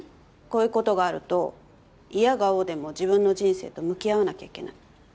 こういう事があるといやが応でも自分の人生と向き合わなきゃいけない。